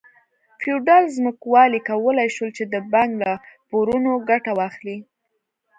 فیوډال ځمکوالو کولای شول چې د بانک له پورونو ګټه واخلي.